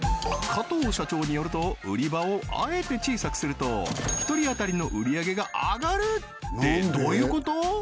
加藤社長によると売り場をあえて小さくすると１人当たりの売り上げが上がる！ってどういうこと？